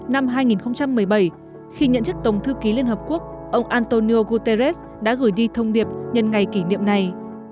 năm hai nghìn một mươi bảy khi nhận chức tổng thư ký liên hợp quốc ông antonio guterres đã gửi đi thông điệp nhân ngày kỷ niệm này